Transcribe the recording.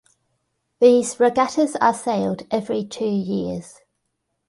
These regattas are sailed every two years.